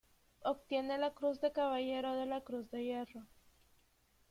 Obtiene la Cruz de Caballero de la Cruz de Hierro.